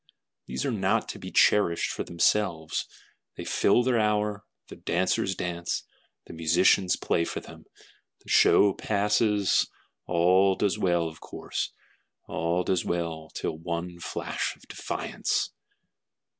these are not to be cherish'd for themselves, They fill their hour, the dancers dance, the musicians play for them, The show passes, all does well enough of course, All does very well till one flash of defiance.